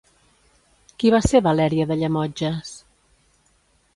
Qui va ser Valeria de Llemotges?